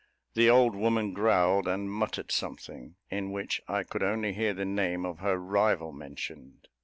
The old woman growled and muttered something, in which I could only hear the name of her rival mentioned.